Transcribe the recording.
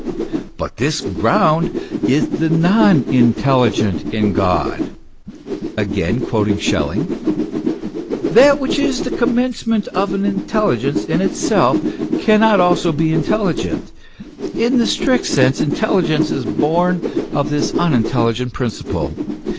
But this ground is the non intelligent in God. " That which is the commence ment of an intelligence (in itself) cannot also be intelligent." " In the strict sense, intelligence is born of this unintelligent principle.